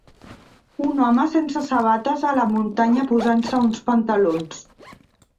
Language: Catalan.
Un home sense sabates a la muntanya posant-se uns pantalons.